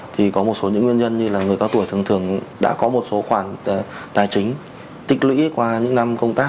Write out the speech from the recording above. thì có một số những nguyên nhân như là người cao tuổi thường thường đã có một số khoản tài chính tích lũy qua những năm công tác